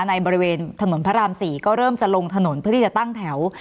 ในบริเวณถนนพระราม๔ก็เริ่มจะลงถนนเพื่อที่จะตั้งแถว